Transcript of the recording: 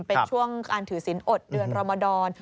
เป็นช่วงการถือศิลปอดเดือนรมดร